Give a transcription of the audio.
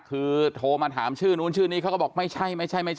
คือโทรมาถามชื่อนู้นชื่อนี้เขาก็บอกไม่ใช่ไม่ใช่